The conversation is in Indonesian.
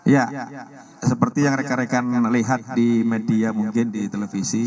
ya seperti yang rekan rekan lihat di media mungkin di televisi